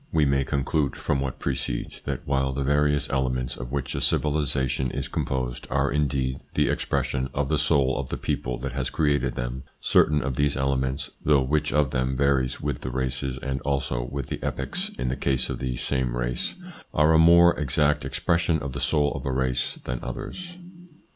We may conclude from what precedes, that while the various elements of which a civilisation is com posed are indeed the expression of the soul of the people that has created them, certain of these elements though which of them varies with the races and also with the epochs in the case of the same race are a more exact expression of the soul of a race than others.